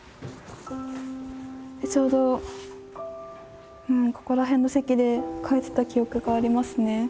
ちょうどここら辺の席で書いてた記憶がありますね。